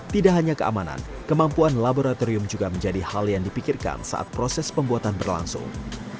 tidak hanya keamanan kemampuan laboratorium juga menjadi hal yang dipikirkan saat proses pembuatan berlangsung